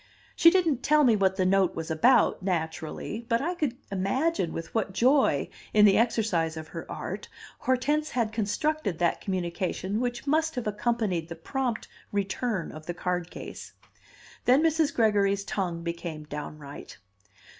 She didn't tell me what the note was about, naturally; but I could imagine with what joy in the exercise of her art Hortense had constructed that communication which must have accompanied the prompt return of the card case. Then Mrs. Gregory's tongue became downright.